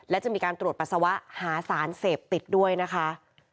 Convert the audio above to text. และจะมีการตรวจปัสสาวะหาสารเสพติดด้วยนะคะ